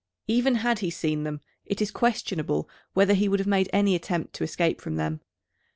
Even had he seen them it is questionable whether he would have made any attempt to escape from them.